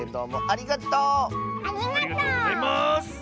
ありがとうございます！